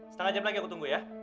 setengah jam lagi aku tunggu ya